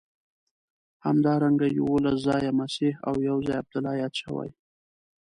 همدارنګه یوولس ځایه مسیح او یو ځای عبدالله یاد شوی.